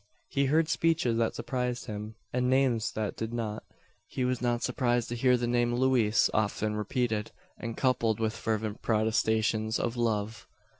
He heard speeches that surprised him, and names that did not. He was not surprised to hear the name "Louise" often repeated, and coupled with fervent protestations of love.